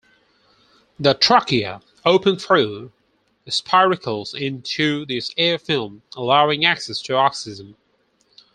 The trachea open through spiracles into this air film, allowing access to oxygen.